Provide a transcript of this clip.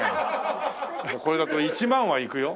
これだと１万はいくよ。